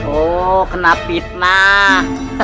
oh kena fitnah